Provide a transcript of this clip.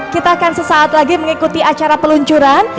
kita akan sesaat lagi mengikuti acara peluncuran